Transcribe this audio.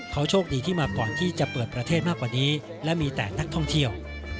เขาโชคดีที่มาก่อนที่จะเปิดประเทศมากกว่านี้และมีแต่นักท่องเที่ยว